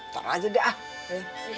taruh aja deh ah